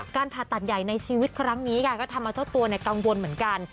ผ่าตัดใหญ่ในชีวิตครั้งนี้ค่ะก็ทำเอาเจ้าตัวกังวลเหมือนกัน